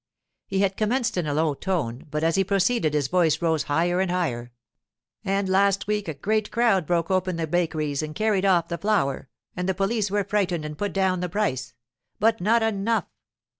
He had commenced in a low tone, but as he proceeded his voice rose higher and higher. 'And last week a great crowd broke open the bakeries and carried off the flour, and the police were frightened and put down the price—but not enough.